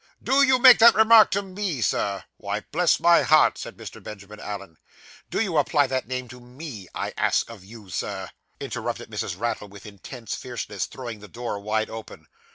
Did you make that remark to me, sir?' 'Why, bless my heart!' said Mr. Benjamin Allen. 'Did you apply that name to me, I ask of you, sir?' interrupted Mrs. Raddle, with intense fierceness, throwing the door wide open.